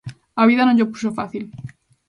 A vida non llo puxo fácil.